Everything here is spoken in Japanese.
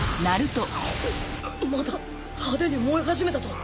また派手に燃え始めたぞ！